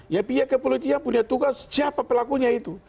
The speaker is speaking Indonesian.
ya pihak kepolisian punya tugas siapa pelakunya itu